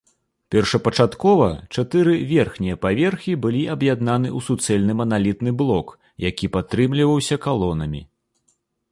Першапачаткова чатыры верхнія паверхі былі аб'яднаны ў суцэльны маналітны блок, які падтрымліваўся калонамі.